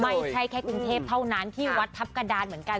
ไม่ใช่แค่กรุงเทพเท่านั้นที่วัดทัพกระดานเหมือนกัน